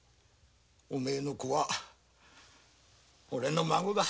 おめえの子はオレの孫だ。